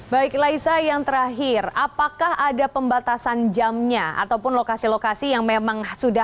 baik laisa yang terakhir apakah ada pembatasan jamnya ataupun lokasi lokasi yang memang sudah